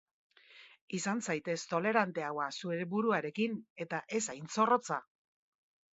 Izan zaitez toleranteagoa zure buruarekin, eta ez hain zorrotza.